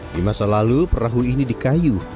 di masa lalu perahu ini dikayu